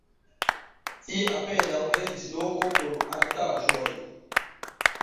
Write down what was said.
Tie apenaŭ estis loko por artaĵoj.